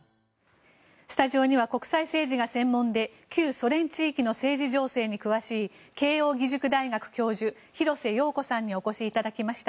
スタジオには国際政治が専門で旧ソ連地域の政治情勢に詳しい慶應義塾大学教授廣瀬陽子さんにお越しいただきました。